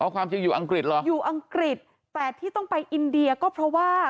ความจริงอยู่อังกฤษเหรออยู่อังกฤษแต่ที่ต้องไปอินเดียก็เพราะว่า